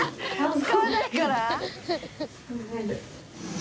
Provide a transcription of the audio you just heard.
使わないから？